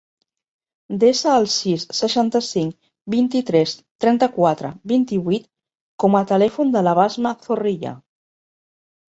Desa el sis, seixanta-cinc, vint-i-tres, trenta-quatre, vint-i-vuit com a telèfon de la Basma Zorrilla.